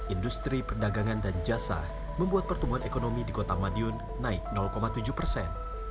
industri perdagangan dan jasa membuat pertumbuhan ekonomi di kota madiun naik tujuh persen